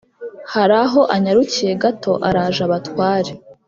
haraho anyarukiye gato araje abatware.